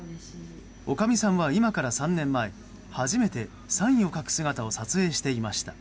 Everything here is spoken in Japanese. おかみさんは今から３年前初めてサインを書く姿を撮影していました。